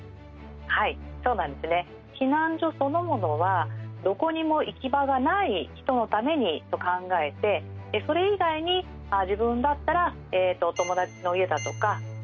避難所そのものはどこにも行き場がない人のためにと考えてそれ以外に自分だったらお友達の家だとか実家に帰ろうだとか